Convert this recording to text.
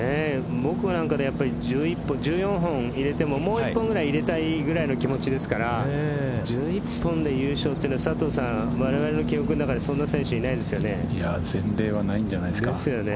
僕らなんかは１４本入れてももう１本ぐらい入れたいぐらいの気持ちですから１１本で優勝というのはわれわれの記憶の中でそんな選手いないですよね。